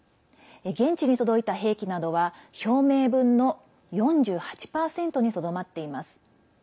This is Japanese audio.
現地に届いた兵器などは表明分の４８％にとどまっています。